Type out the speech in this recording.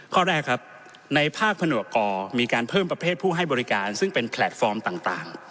ข้อแรกครับในภาคผนวกกมีการเพิ่มประเภทผู้ให้บริการซึ่งเป็นแพลตฟอร์มต่าง